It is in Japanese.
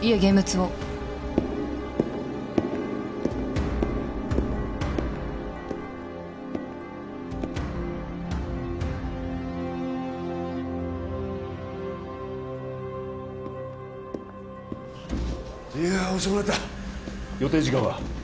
現物をいや遅くなった予定時間は？